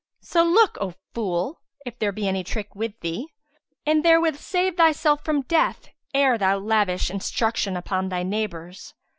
So look, O fool, if there be any trick with thee; and therewith save thyself from death ere thou lavish instruction upon thy neighbours.